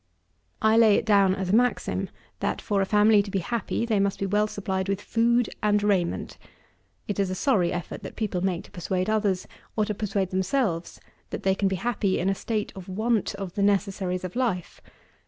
5. I lay it down as a maxim, that for a family to be happy, they must be well supplied with food and raiment. It is a sorry effort that people make to persuade others, or to persuade themselves, that they can be happy in a state of want of the necessaries of life.